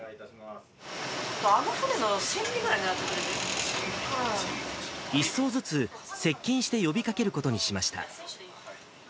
あの船の船尾くらいに近づい１そうずつ接近して呼びかけることにしました。